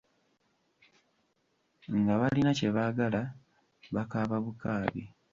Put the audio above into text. Nga balina kye baagala, bakaaba bukaabi.